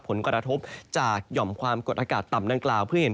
ผลกระทบจากหย่อมความกดอากาศต่ำดังกล่าวเพื่อเห็น